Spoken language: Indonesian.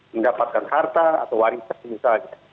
mendapatkan harta atau warisan misalnya